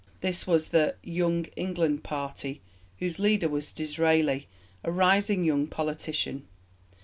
This was the 'Young England' party, whose leader was Disraeli, a rising young politician.